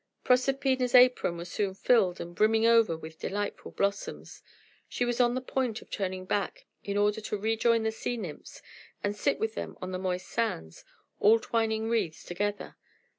Proserpina's apron was soon filled and brimming over with delightful blossoms. She was on the point of turning back in order to rejoin the sea nymphs, and sit with them on the moist sands, all twining wreaths together.